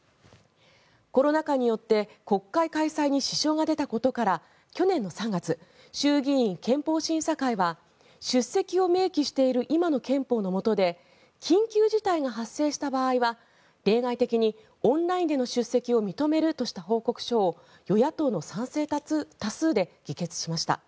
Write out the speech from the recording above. コロナ禍によって国会開催に支障が出たことから去年の３月衆議院憲法審査会は出席を明記している今の憲法のもとで緊急事態が発生した場合は例外的にオンラインでの出席を認めるとした報告書を与野党の賛成多数で議決しました。